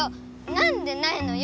なんでないのよ！